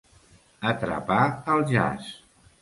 Atrapar al jaç.